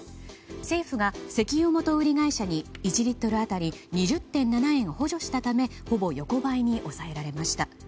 政府が石油元売り会社に１リットル当たり２０．７円を補助したためほぼ横ばいに抑えられました。